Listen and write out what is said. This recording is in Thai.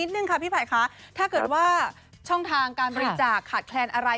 ถ้าเกิดว่าช่องทางการบริจาคขาดแคลนอะไร